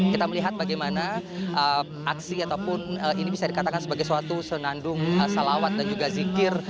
kita melihat bagaimana aksi ataupun ini bisa dikatakan sebagai suatu senandung salawat dan juga zikir